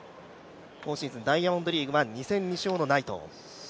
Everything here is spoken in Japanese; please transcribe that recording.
今シーズンダイヤモンドリーグは、２戦２勝というナイトン。